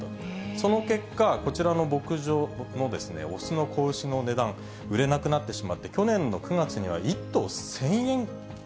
その結果、こちらの牧場の雄の子牛の値段、売れなくなってしまって、去年の９月には１頭１０００円。